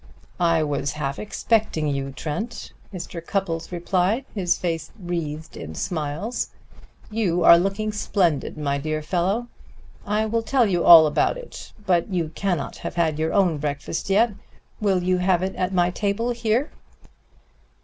"I was half expecting you, Trent," Mr. Cupples replied, his face wreathed in smiles. "You are looking splendid, my dear fellow. I will tell you all about it. But you cannot have had your own breakfast yet. Will you have it at my table here?"